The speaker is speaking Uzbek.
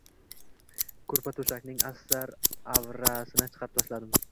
Ko`rpa-to`shakning avra-astarini chiqarib tashladim